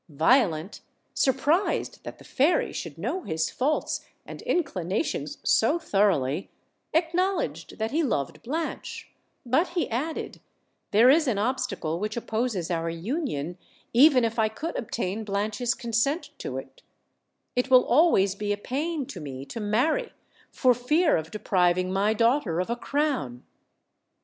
Violent, surprised that the fairy should know his faults and inclinations so thoroughly, acknowledged that he OLD, OLD FA TRY TALES. Ill loved Blanche; but he added: "There is an obstacle which opposes our union, even if I could obtain Blanche's consent to it; it will always be a pain to me to marry, for fear of depriving my daughter of a crown."